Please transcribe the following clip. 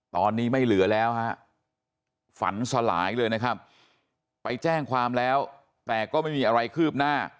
ตอนนี้ไม่เหลือแล้วฮะฝันสลายเลยนะครับไปแจ้งความแล้วแต่ก็ไม่มีอะไรคืบหน้า